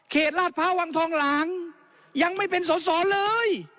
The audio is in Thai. เขตราชภาทวังทองหลังยังไม่เป็นสอสอเลย